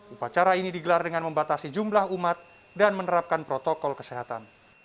upacara ini digelar dengan membatasi jumlah umat dan menerapkan protokol kesehatan